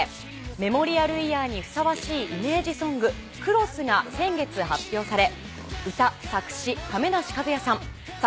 メモリアルイヤーにふさわしいイメージソング『Ｃｒｏｓｓ』が先月発表され。